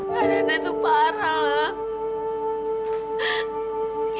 nah dada tuh parah lah